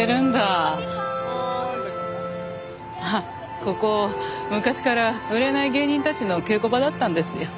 あっここ昔から売れない芸人たちの稽古場だったんですよ。